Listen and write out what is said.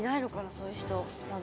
そういう人まだ。